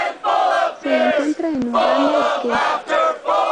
Se encuentra en Uganda y Kenia.